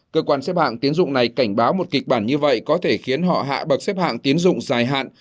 cơ quan xếp hạng tiến dụng này cảnh báo một kịch bản như vậy có thể khiến họ hạ bậc xếp hạng tiến dụng dài hạn